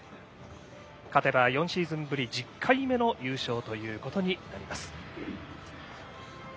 勝てば４シーズンぶり１０回目の優勝ということになります。